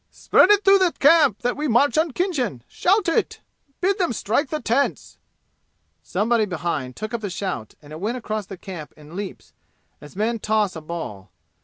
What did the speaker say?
"Spread it through the camp that we march on Khinjan! Shout it! Bid them strike the tents!" Somebody behind took up the shout and it went across the camp in leaps, as men toss a ball.